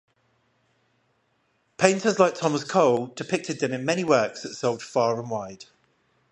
Painters like Thomas Cole depicted them in many works that sold far and wide.